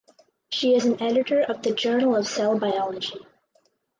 She is an editor of the Journal of Cell Biology.